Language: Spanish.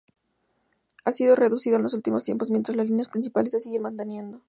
Ha sido reducida en los últimos tiempos, mientras las líneas principales se siguen manteniendo.